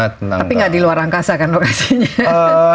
tapi nggak di luar angkasa kan lokasinya